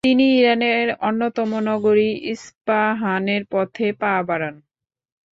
তিনি ইরানের অন্যতম নগরী ইস্পাহানের পথে পা বাড়ান।